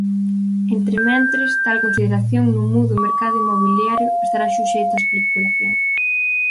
Entrementres tal consideración non mude o mercado inmobiliario estará suxeito á especulación.